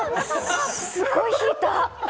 すごい引いた！